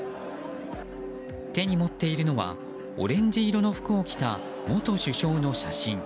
手に持っているのはオレンジ色の服を着た元首相の写真。